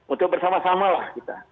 untuk bersama samalah kita